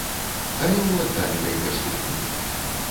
Але ў аддаленай перспектыве.